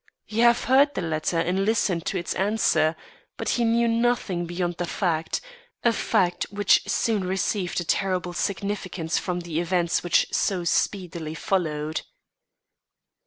You have heard the letter and listened to its answer; but he knew nothing beyond the fact a fact which soon received a terrible significance from the events which so speedily followed."